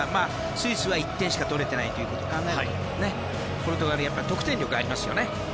スイスは１点しか取れていないことを考えるとポルトガルはやっぱり得点力がありますよね。